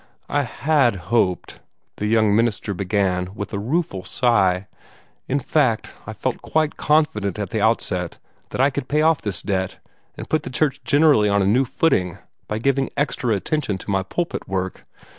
"I HAD hoped," the young minister began with a rueful sigh, "in fact, I felt quite confident at the outset that I could pay off this debt, and put the church generally on a new footing, by giving extra attention to my pulpit work.